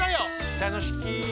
・たのしき。